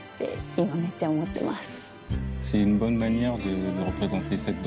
今めっちゃ思ってます。